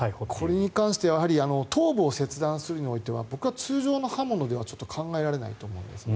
これに関しては頭部を切断するにおいては僕は通常の刃物では考えられないと思うんですね。